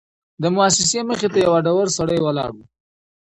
د موسسې مخې ته یو هډور سړی ولاړ و.